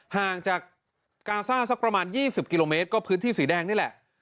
ห่างจากกาซ่าสักประมาณ๒๐กิโลเมตรก็พื้นที่สีแดงนี่แหละ